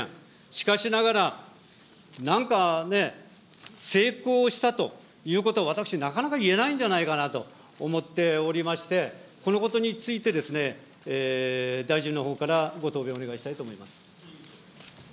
しかしながら、なんかね、成功したということを私、なかなか言えないんじゃないかなと思っておりまして、このことについて、大臣のほうからご答弁お願いしたいと思います。